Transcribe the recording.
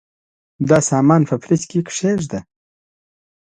دا سامان په فریج کي کښېږده.